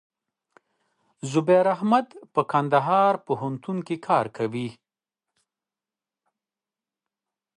زبير احمد په کندهار پوهنتون کښي کار کيي.